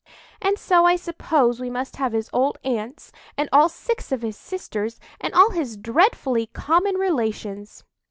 "And so I suppose we must have his old aunts, and all six of his sisters, and all his dreadfully common relations."